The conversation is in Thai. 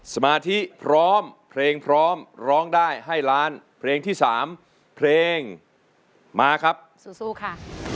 สมาธิพร้อมเพลงพร้อมร้องได้ให้ล้านเพลงที่สามเพลงมาครับสู้ค่ะ